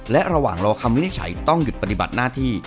และระหว่างรอคำวินิจฉัยต้องหยุดปฏิบัติหน้าที่